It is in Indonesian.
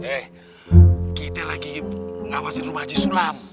eh kita lagi mengawasi rumah si sulam